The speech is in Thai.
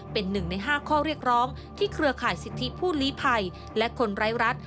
เป็นหนึ่งใน๕ข้อเรียกร้องที่เครือข่ายสิทธิผู้ลีภัยและคนไร้รัฐ